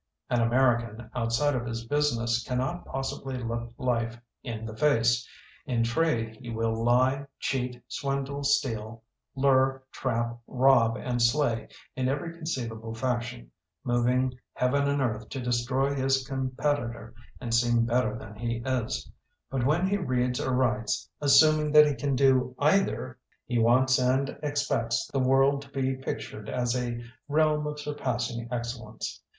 "An American, outside of his business, cannot possibly look life in the face. In trade he will lie, cheat, swindle, steal, lure, trap, rob, and slay in every conceivable fashion, moving heaven and earth to destroy his com petitor and seem better than he is, but when he reads or writes, assuming that he can do either, he wants and expects the world to be pictured as a realm of surpassing excellence.